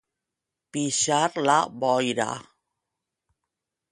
Pixar la boira.